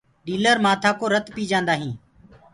ڏيٚلر مآٿآ ڪو رت پي جآندآ هينٚ۔